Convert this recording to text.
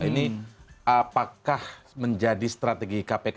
ini apakah menjadi strategi kpk